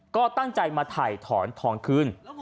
ก็ตั้งใจมาถ่ายถอนทองคืน